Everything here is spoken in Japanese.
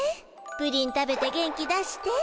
プリン食べて元気出して。